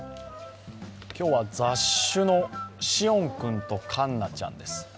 今日は雑種のシオン君とカンナちゃんです。